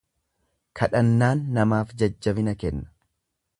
Kadhannaan namaaf jajjabina kenna.